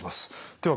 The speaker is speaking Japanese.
では